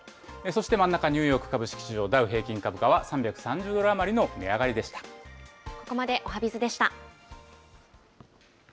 そして真ん中、ニューヨーク株式市場、ダウ平均株価は、３３０ドここまでおはＢｉｚでした。